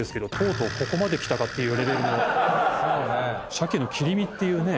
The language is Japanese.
鮭の切り身っていうね。